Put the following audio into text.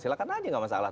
silakan aja gak masalah